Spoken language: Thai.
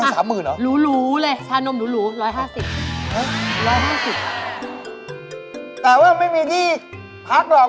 แต่ว่าไม่มีที่พักหรอก